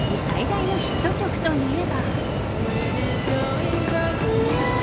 最大のヒット曲といえば。